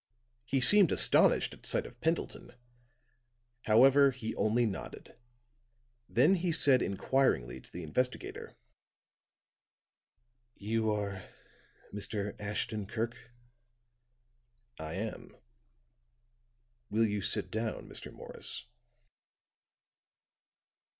He seemed astonished at sight of Pendleton; however, he only nodded. Then he said inquiringly to the investigator: "You are Mr. Ashton Kirk?" "I am. Will you sit down, Mr. Morris?"